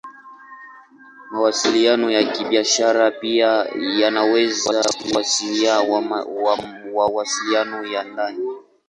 Mawasiliano ya Kibiashara pia yanaweza kuashiria mawasiliano ya ndani.